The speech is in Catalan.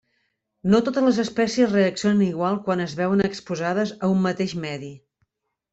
No totes les espècies reaccionen igual quan es veuen exposades a un mateix medi.